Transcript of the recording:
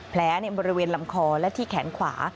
ในบริเวณลำคอและที่แขนขวา